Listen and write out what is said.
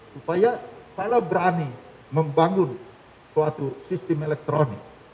supaya kalau berani membangun suatu sistem elektronik